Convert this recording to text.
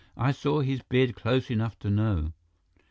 I saw his beard close enough to know."